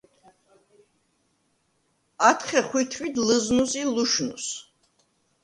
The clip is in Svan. ათხე ხვითვრიდ ლჷზნუს ი ლუშნუს.